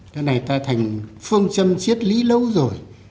cái này ta thành phương châm chiết lý lâu rồi